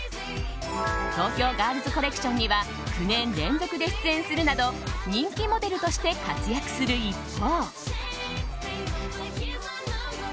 東京ガールズコレクションには９年連続で出演するなど人気モデルとして活躍する一方。